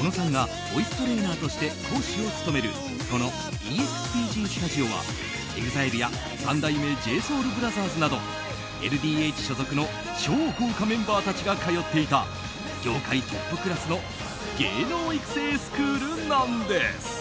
おのさんがボイストレーナーとして講師を務めるこのＥＸＰＧＳＴＵＤＩＯはＥＸＩＬＥや三代目ＪＳＯＵＬＢＲＯＴＨＥＲＳなどＬＤＨ所属の超豪華メンバーたちが通っていた業界トップクラスの芸能育成スクールなんです。